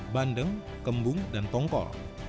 bandeng kembung dan tongkol